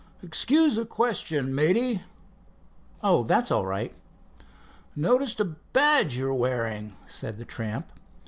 "Excuse a question, matey?" "Oh, that's all right." "Noticed a badge you're wearing," said the tramp.